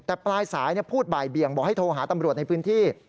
แต่ปลายสายพูดบ่ายเบี่ยงบอกให้โทรหาตำรวจในพื้นที่